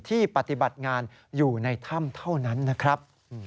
ปฏิบัติงานอยู่ในถ้ำเท่านั้นนะครับ